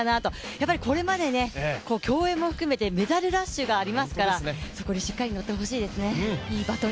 やっぱり、これまで競泳も含めてメダルラッシュがありますからそこにしっかり乗ってほしいですね。